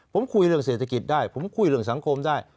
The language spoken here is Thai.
ผมคุยเรื่องเศรษฐกิจได้ผมคุยเรื่องสังคมได้